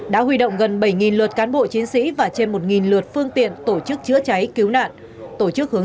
đã huy động gần bảy lượt cán bộ chiến sĩ và trên một lượt phương tiện tổ chức chữa cháy cứu nạn